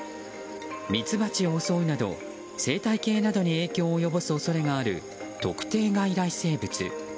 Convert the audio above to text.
ミツバチを襲うなど生態系などに影響を及ぼす恐れがある特定外来生物。